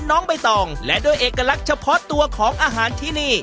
น้องใบตองและด้วยเอกลักษณ์เฉพาะตัวของอาหารที่นี่